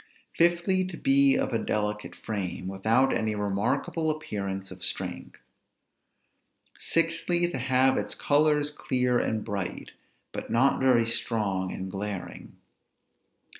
Fifthly, to be of a delicate frame, without any remarkable appearance of strength. Sixthly, to have its colors clear and bright, but not very strong and glaring.